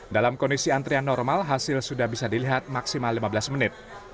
dalam kondisi antrian normal hasil sudah bisa dilihat maksimal lima belas menit